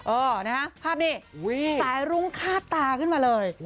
เออนะฮะภาพนี้สายรุ้งคาดตาขึ้นมาเลย